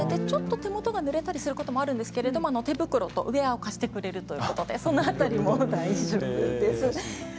ちょっと手もとがぬれたりすることもあるんですけれども手袋とウェアを貸してくれるいうことでその辺りも大丈夫です。